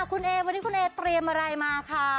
คุณเอวันนี้คุณเอเตรียมอะไรมาคะ